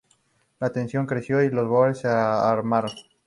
La tensión creció, y los bóers se armaron.